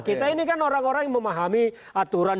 kita ini kan orang orang yang memahami aturan